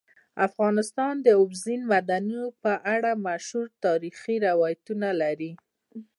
افغانستان د اوبزین معدنونه په اړه مشهور تاریخی روایتونه لري.